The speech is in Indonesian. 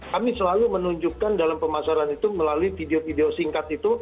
kami selalu menunjukkan dalam pemasaran itu melalui video video singkat itu